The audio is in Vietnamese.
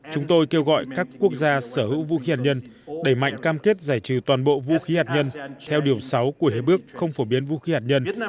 chúng tôi kêu gọi các quốc gia sở hữu vũ khí hắt nhân đẩy mạnh cam thiết giải trừ toàn bộ vũ khí hắt nhân theo điều sáu của hiệp bước không phổ biến vũ khí hắt nhân